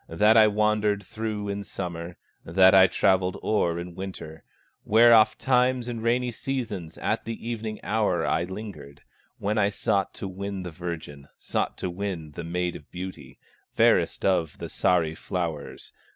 That I wandered through in summer, That I travelled o'er in winter, Where ofttimes in rainy seasons, At the evening hour I lingered, When I sought to win the virgin, Sought to win the Maid of Beauty, Fairest of the Sahri flowers.